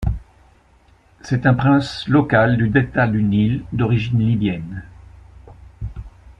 C'est un prince local du delta du Nil, d'origine libyenne.